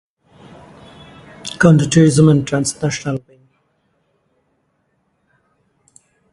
এটি পেশাদার যোগাযোগ এবং প্রযুক্তিগত যোগাযোগের ক্ষেত্রের সাথে ঘনিষ্ঠভাবে সম্পর্কিত।